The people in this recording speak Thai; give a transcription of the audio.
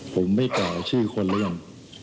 ผมไม่กล่าวชื่อคนเรื่อง